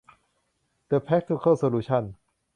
เดอะแพรคทิเคิลโซลูชั่น